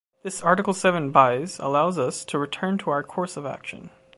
This Article seven bis allows us to return to our course of action.